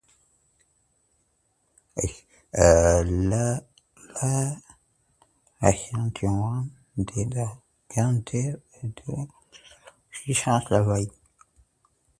L'abbatiale témoigne de la grandeur et de la puissance de l'abbaye.